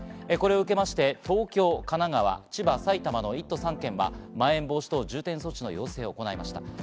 これを受けて東京、神奈川、千葉、埼玉の１都３県はまん延防止等重点措置の要請を行いました。